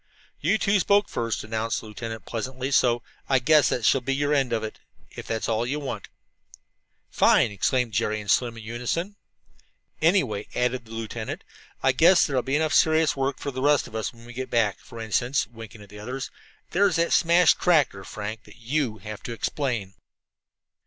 "You two spoke first," announced the lieutenant pleasantly, "so I guess that shall be your end of it, if that's what you want." "Fine!" exclaimed Jerry and Slim in unison. "Anyway," added the lieutenant, "I guess there'll be enough serious work for the rest of us when we get back. For instance," winking at the others, "there's that smashed tractor, Frank, that you will have to explain."